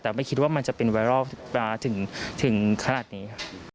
แต่ไม่คิดว่ามันจะเป็นไวรัลถึงขนาดนี้